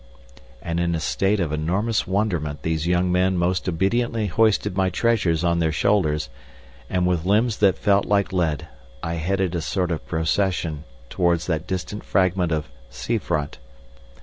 And in a state of enormous wonderment, these young men most obediently hoisted my treasures on their shoulders, and with limbs that felt like lead I headed a sort of procession towards that distant fragment of "sea front."